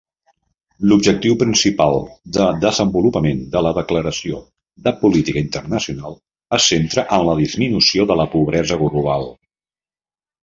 L'objectiu principal de desenvolupament de la Declaració de política internacional se centra en la disminució de la pobresa global.